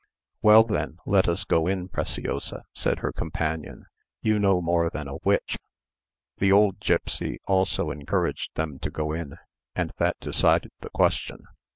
"Well then, let us go in, Preciosa," said her companion, "you know more than a witch." The old gipsy also encouraged them to go in, and that decided the question.